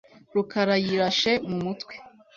rukarayirashe mu mutwe.